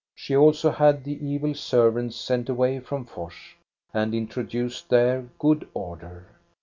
She also had the evil ser vants sent away from Fors and introduced there good f [Order.